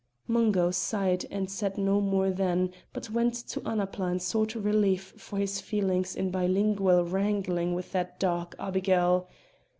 Mungo sighed and said no more then, but went to Annapla and sought relief for his feelings in bilingual wrangling with that dark abigail.